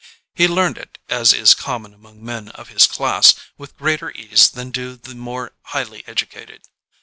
He learned it, as is common among men of his class, with greater ease than do the more highly educated.